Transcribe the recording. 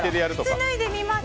靴脱いでみます。